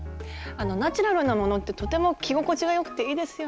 ナチュラルなものってとても着心地がよくていいですよね。